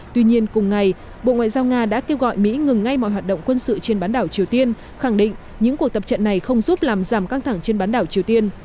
tuy nhiên cùng ngày bộ ngoại giao nga đã kêu gọi mỹ ngừng ngay mọi hoạt động quân sự trên bán đảo triều tiên khẳng định những cuộc tập trận này không giúp làm giảm căng thẳng trên bán đảo triều tiên